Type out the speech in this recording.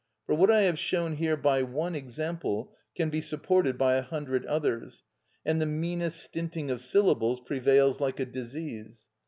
For what I have shown here by one example can be supported by a hundred others, and the meanest stinting of syllables prevails like a disease.